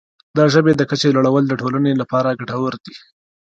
د ژبې د کچې لوړول د ټولنې لپاره ګټور دی.